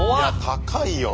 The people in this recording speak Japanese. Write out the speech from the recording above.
高いよな。